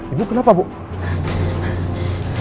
ibu apa yang terjadi